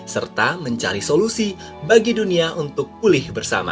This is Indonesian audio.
serta mencari solusi bagi dunia untuk pulih bersama